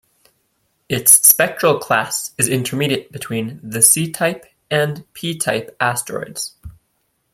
Its spectral class is intermediate between the C-type and P-type asteroids.